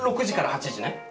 ６時から８時ね。